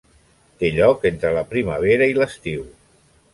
Té lloc entre la primavera i l'estiu.